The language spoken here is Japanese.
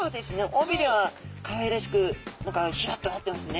尾びれはかわいらしく何かヒラっとなってますね。